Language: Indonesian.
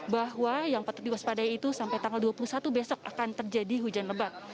bahwa yang patut diwaspadai itu sampai tanggal dua puluh satu besok akan terjadi hujan lebat